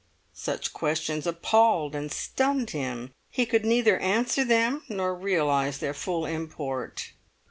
Such questions appalled and stunned him; he could neither answer them nor realise their full import.